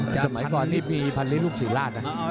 สมัยพ่อนี้มีพันลิตรลูกสีราช